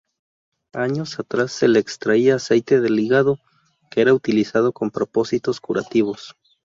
Años atrás se le extraía aceite del hígado, que era utilizado con propósitos curativos.